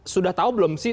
sudah tahu belum sih